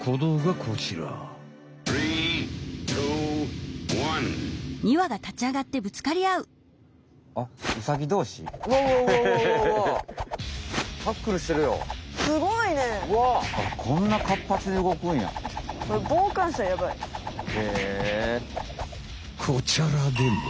こちらでも。